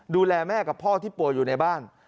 ดูแลแม่กับพ่อที่ป่วยอยู่ในบ้าน